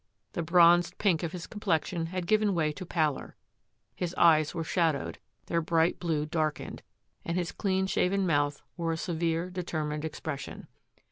The bronzed pink of his complexion had given way to pallor, his eyes were shadowed, their bright blue darkened, and his clean shaven mouth wore a severe, determined ex pression.